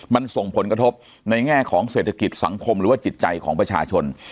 มันส่งผลกระทบในแง่ของเศรษฐกิจสังคมหรือว่าจิตใจของประชาชน